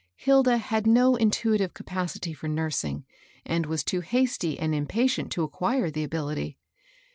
Hilda had no intuitive capacity for nursing, and was too hasty and impatient to acquire the ability.